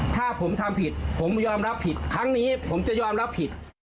ถ้าผมทำผิดผมยอมรับผิดครั้งนี้ผมจะยอมรับผิด